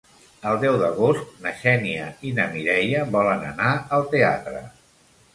El deu d'agost na Xènia i na Mireia volen anar al teatre.